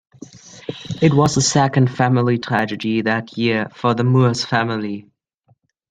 It was the second family tragedy that year for the Moores family.